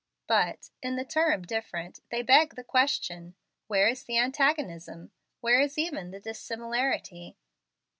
But, in the term "different," they beg the question. Where is the antagonism? Where is even the dissimilarity?